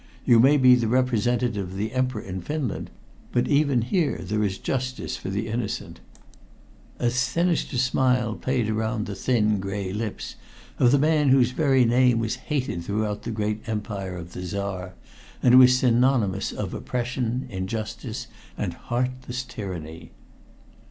You may be the representative of the Emperor in Finland, but even here there is justice for the innocent." A sinister smile played around the thin, gray lips of the man whose very name was hated through the great empire of the Czar, and was synonymous of oppression, injustice, and heartless tyranny.